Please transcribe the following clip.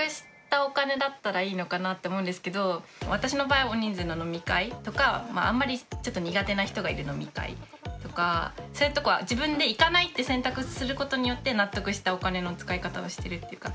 私の場合大人数の飲み会とかあんまりちょっと苦手な人がいる飲み会とかそういうところは自分で行かないって選択することによって納得したお金の使い方をしてるっていうか。